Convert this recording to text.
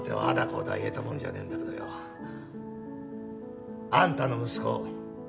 こうだ言えたもんじゃねえんだけどよあんたの息子